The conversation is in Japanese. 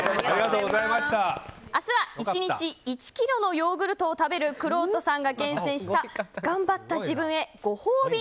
明日は１日１ｋｇのヨーグルトを食べるくろうとさんが厳選した頑張った自分へご褒美